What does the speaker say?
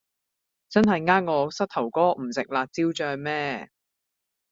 真係呃我膝頭哥唔食辣椒醬咩